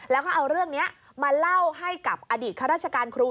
แล้วก็เอาเรื่องนี้มาเล่าให้กับอดีตข้าราชการครู